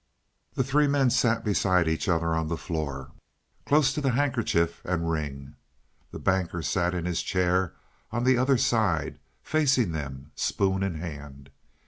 The three men sat beside each other on the floor, close to the handkerchief and ring; the Banker sat in his chair on the other side, facing them, spoon in hand.